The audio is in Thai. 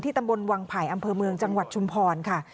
ตำบลวังไผ่อำเภอเมืองจังหวัดชุมพรค่ะ